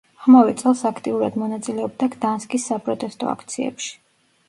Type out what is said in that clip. ამავე წელს აქტიურად მონაწილეობდა გდანსკის საპროტესტო აქციებში.